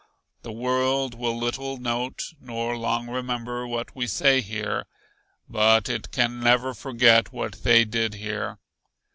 The world will little note nor long remember what we say here, but it can never forget what they did here.